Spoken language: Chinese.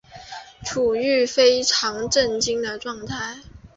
处於非常震惊的状态